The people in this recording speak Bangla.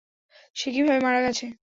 সে কীভাবে মারা গেছে?